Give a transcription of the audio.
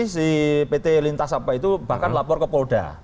si pt lintasapa itu bahkan lapor ke polda